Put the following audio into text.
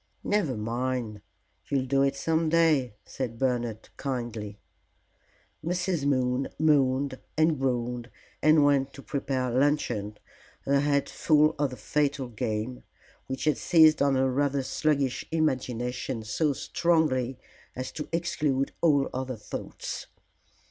"Never mind, you'll do it some day," said Bernard, kindly. Mrs. Moon moaned and groaned and went to prepare luncheon, her head full of the fatal game, which had seized on her rather sluggish imagination so strongly as to exclude all other thoughts.